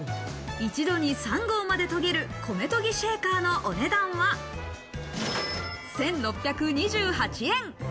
一度に３合まで研げる米とぎシェーカーのお値段は１６２８円。